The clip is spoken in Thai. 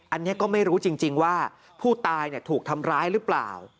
อันนี้ก็ไม่รู้จริงว่าผู้ตายถูกทำร้ายหรือเปล่า